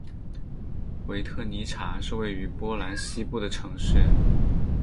维特尼察是位于波兰西部的城市。